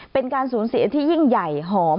เป็นการสูญเสียที่ยิ่งใหญ่หอม